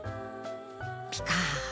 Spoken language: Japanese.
ピカーッ！